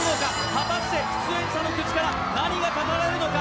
果たして出演者の口から何が語られるのか。